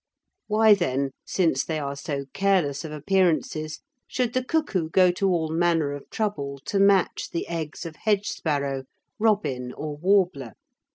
Why then, since they are so careless of appearances, should the cuckoo go to all manner of trouble to match the eggs of hedgesparrow, robin or warbler?